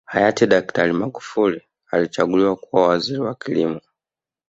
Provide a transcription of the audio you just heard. Hayati daktari Magufuli alichaguliwa kuwa Waziri wa kilimo